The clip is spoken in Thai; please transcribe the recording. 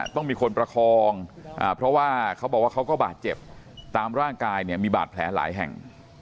ต้องมีคนประคองเพราะว่าเขาบอกว่าเขาก็บาดเจ็บตามร่างกายเนี่ยมีบาดแผลหลายแห่ง